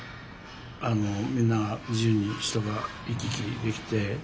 みんなが自由に人が行き来できて。